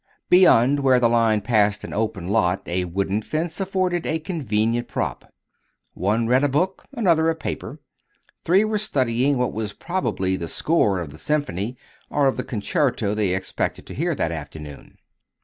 Beyond, where the line passed an open lot, a wooden fence afforded a convenient prop. One read a book, another a paper. Three were studying what was probably the score of the symphony or of the concerto they expected to hear that afternoon.